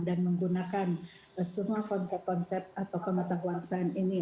dan menggunakan semua konsep konsep atau pengetahuan sains ini